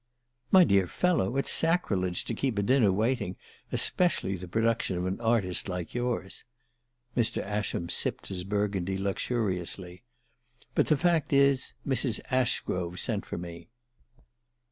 "My dear fellow, it's sacrilege to keep a dinner waiting especially the production of an artist like yours." Mr. Ascham sipped his Burgundy luxuriously. "But the fact is, Mrs. Ashgrove sent for me."